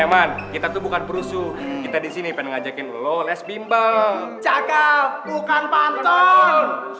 eh man kita tuh bukan perusuh kita disini pengen ngajakin lo les bimbel cakal bukan pantul